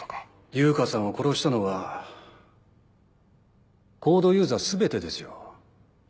悠香さんを殺したのはＣＯＤＥユーザー全てですよ。